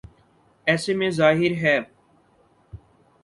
ایسے میں ظاہر ہے۔